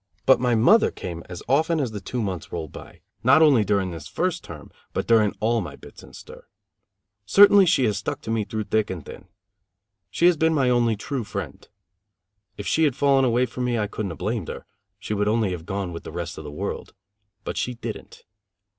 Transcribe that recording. But my mother came as often as the two months rolled by; not only during this first term, but during all my bits in stir. Certainly she has stuck to me through thick and thin. She has been my only true friend. If she had fallen away from me, I couldn't have blamed her; she would only have gone with the rest of the world; but she didn't.